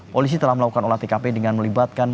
polisi telah melakukan olah tkp dengan melibatkan